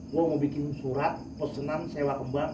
gua mau bikin surat pesenan sewa kembang